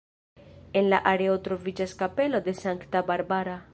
En la areo troviĝas kapelo de sankta Barbara.